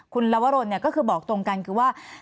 คุณลวรนก็คือบอกตรงกันคือว่า